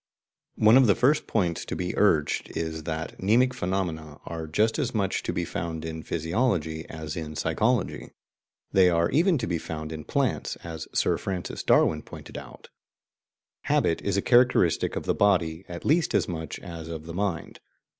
One of the first points to be urged is that mnemic phenomena are just as much to be found in physiology as in psychology. They are even to be found in plants, as Sir Francis Darwin pointed out (cf. Semon, "Die Mneme," 2nd edition, p. 28 n.). Habit is a characteristic of the body at least as much as of the mind.